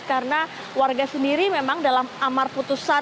karena warga sendiri memang dalam amar putusan